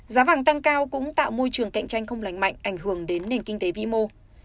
giá vàng tăng cao cũng tạo môi trường cạnh tranh không lành mạnh ảnh hưởng đến nền kinh tế vĩ mô